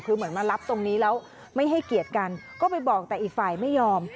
คือเหมือนมารับตรงนี้แล้วไม่ให้เกียรติกันก็ไปบอกแต่อีกฝ่ายไม่ยอม